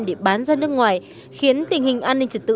đánh giá nước ngoài khiến tình hình an ninh trật tự